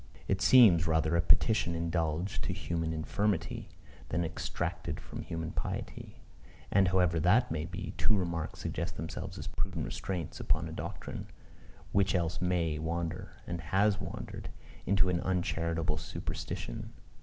It seems rather a petition indulged to human infirmity, than exacted from human piety. And, however that may be, two remarks suggest themselves as prudent restraints upon a doctrine, which else may wander, and has wandered, into an uncharitable superstition.